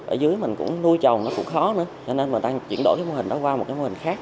ở dưới mình cũng nuôi trồng nó cũng khó nữa cho nên người ta chuyển đổi cái mô hình đó qua một cái mô hình khác